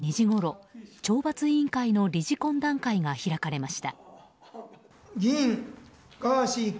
そして先ほど午後２時ごろ懲罰委員会の理事懇談会が開かれました。